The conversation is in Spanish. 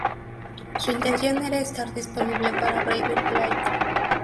Su intención era estar disponible para River Plate.